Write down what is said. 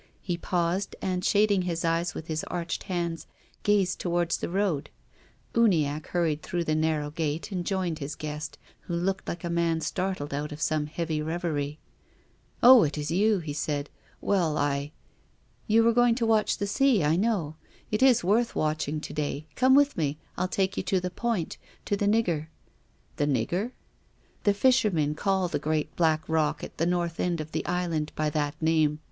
He paused, and shading his eyes with his arched hands, gazed towards the road. Uniacke hurried through the narrow gate and joined his guest, who looked like a man startled out of some heavy reverie. " Oh, it is you," he said. " Well, I—" "You were going to watch the sea, I know. It is worth watching to day. Come with me. I'll take you to the point — to the nigger." " The nigger ?"" The fishermen call the great black rock at the north end of the Island by that name.